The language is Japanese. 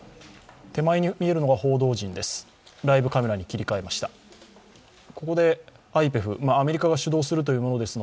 手前に見えるのが報道陣です。